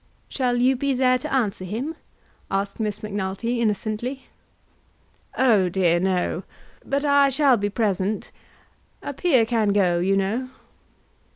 "Shall you be there to answer him?" asked Miss Macnulty innocently. "Oh dear, no. But I shall be present. A peer can go, you know."